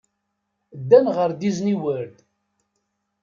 Ddan ɣer Disney World.